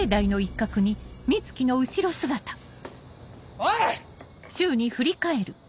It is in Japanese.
おい！